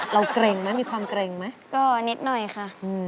เกร็งไหมมีความเกร็งไหมก็นิดหน่อยค่ะ